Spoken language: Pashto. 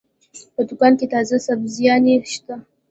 په دوکان کې تازه سبزيانې شته.